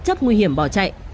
có chất nguy hiểm bỏ chạy